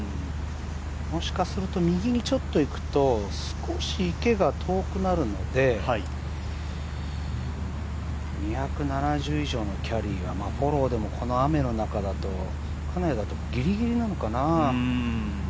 もしかすると右にちょっと行くと少し池が遠くなるので２７０以上のキャリーはフォローでも、この雨の中だと、金谷だとぎりぎりなのかな。